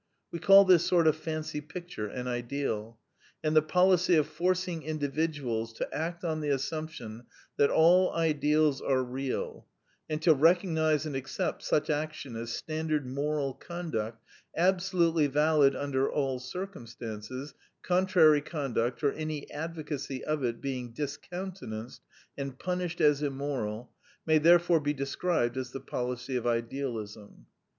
We call this sort of fancy picture an Ideal ; and the policy of forcing individuals to act on the assumption that all ideals are real, and to recognize and accept such action as standard moral conduct, absolutely valid under all circumstances, contrary conduct or any advocacy of it being discountenanced and punished as immoral, may therefore be described as the policy of Idealism.